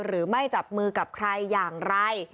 หรือไม่จับมือกับใครอย่างไร